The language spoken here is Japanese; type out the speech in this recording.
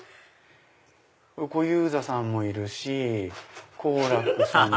小遊三さんもいる好楽さんも。